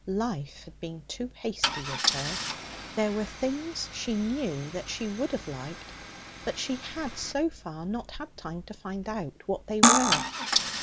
Life had been too hasty with her. There were things, she knew, that she would have liked; but she had so far not had time to find out what they were.